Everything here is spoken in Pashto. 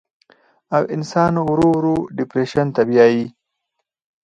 او انسان ورو ورو ډپرېشن ته بيائي